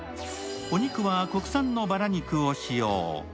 お肉は国産のバラ肉を使用。